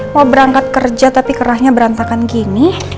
mau berangkat kerja tapi kerahnya berantakan gini